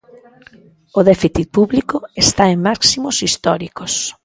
O déficit público está en máximos históricos.